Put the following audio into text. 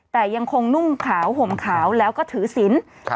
แต่ยังคงนุ่งขาวห่มขาวแล้วก็ถือศิลป์